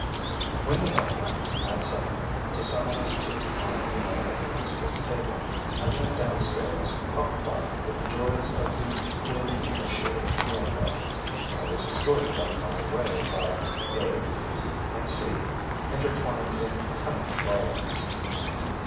When the bell rang, at seven, to summon us to the common meal at the principal's table, I went downstairs puffed up with the joys of the newly initiated neophyte. I was escorted on my way by a, b and c, intertwined in cunning garlands.